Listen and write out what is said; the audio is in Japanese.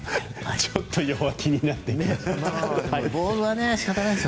ちょっと弱気になってきました。